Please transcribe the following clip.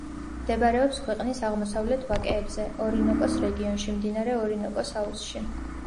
მდებარეობს ქვეყნის აღმოსავლეთ ვაკეებზე, ორინოკოს რეგიონში, მდინარე ორინოკოს აუზში.